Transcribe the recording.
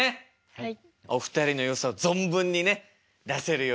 はい。